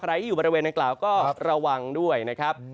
ที่อยู่บริเวณนางกล่าวก็ระวังด้วยนะครับ